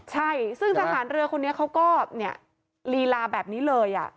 ใช่ซึ่งทหารเรือคนนี้เขาก็ลีลาแบบนี้เลย